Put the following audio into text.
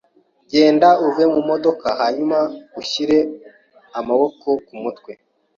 Genda uve mumodoka hanyuma ushire amaboko kumutwe.